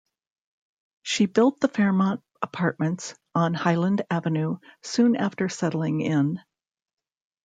She built the Fairmont Apartments on Highland Avenue soon after settling in.